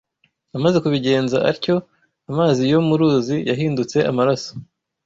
Amaze kubigenza atyo, amazi yo mu ruzi yahindutse amaraso